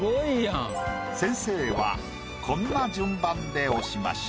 先生はこんな順番で押しました。